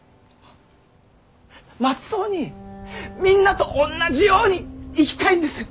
まっとうにみんなとおんなじように生きたいんですよ。